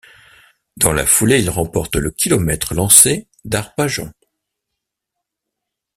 Dans la foulée il remporte le kilomètre lancé d'Arpajon.